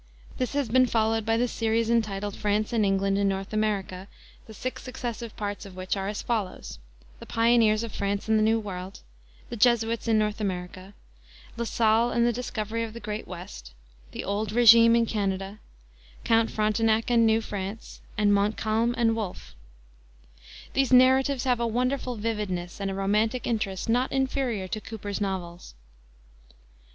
This has been followed by the series entitled France and England in North America, the six successive parts of which are as follows: the Pioneers of France in the New World; the Jesuits in North America; La Salle and the Discovery of the Great West; the Old Régime in Canada; Count Frontenac and New France; and Montcalm and Wolfe. These narratives have a wonderful vividness, and a romantic interest not inferior to Cooper's novels.